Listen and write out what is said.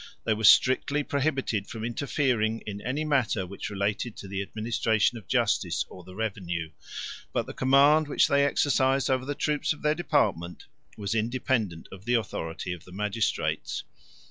They were strictly prohibited from interfering in any matter which related to the administration of justice or the revenue; but the command which they exercised over the troops of their department, was independent of the authority of the magistrates.